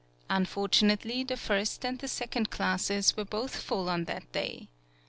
Unfortunately, the first and the second classes were both full on that day.